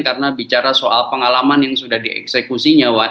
karena bicara soal pengalaman yang sudah dieksekusinya